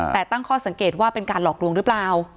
แต่ตั้งข้อสังเกตว่าเป็นการหลอกลวงหรือเปล่า